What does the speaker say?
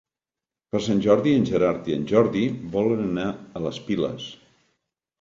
Per Sant Jordi en Gerard i en Jordi volen anar a les Piles.